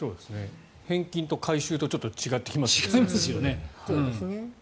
返金と回収と違ってきますよね。